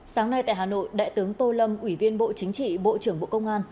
sáng nay tại hà nội đại tướng tô lâm ủy viên bộ chính trị bộ trưởng bộ công an